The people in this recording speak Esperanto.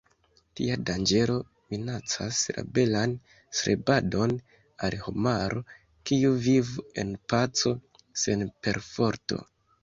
Tia danĝero minacas la belan strebadon al homaro, kiu vivu en paco sen perforto.